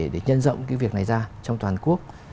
để nhân rộng việc này ra trong toàn quốc